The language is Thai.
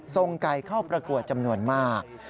ไก่เข้าประกวดจำนวนมาก